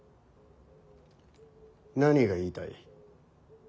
何が言いたい。